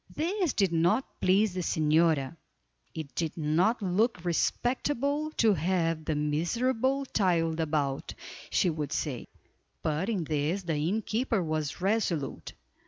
This did not please the señora. It did not look respectable to have the miserable child about, she would say; but in this the innkeeper was resolute.